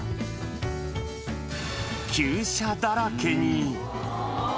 旧車だらけに。